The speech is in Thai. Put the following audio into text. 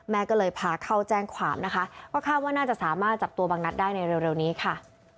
แม่ก็เลยพาเข้าแจ้งความนะคะก็คาดว่าน่าจะสามารถจับตัวบางนัดได้ในเร็วนี้ค่ะ